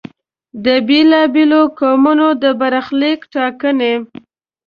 د بېلا بېلو قومونو د برخلیک ټاکنې.